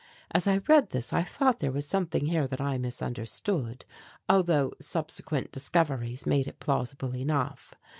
As I read this I thought there was something here that I misunderstood, although subsequent discoveries made it plausible enough.